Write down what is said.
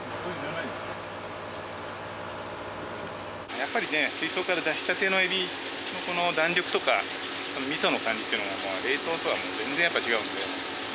やっぱりね水槽から出したてのエビのこの弾力とかみその感じっていうのは冷凍とは全然違うので。